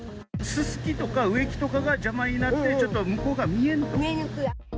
ススキとか植木とかが邪魔になって、ちょっと向こうが見えな見えにくい。